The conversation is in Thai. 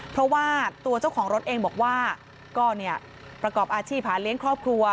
เพราะว่าตัวเจ้าของรถเองบอกว่าก็เนี่ยประกอบอาชีพหาเลี้ยงครอบครัว